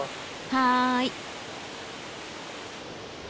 はい。